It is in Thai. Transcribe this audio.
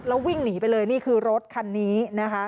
แล้ววิ่งหนีไปเลยนี่คือรถคันนี้นะคะ